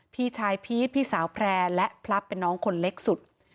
พี่ชายพีชพี่สาวแพร่และพลับเป็นน้องคนเล็กสุด